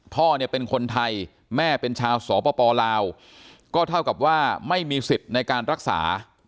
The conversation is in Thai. พ่อเนี่ยเป็นคนไทยแม่เป็นชาวสปลาวก็เท่ากับว่าไม่มีสิทธิ์ในการรักษา